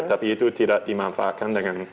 tapi itu tidak dimanfaatkan dengan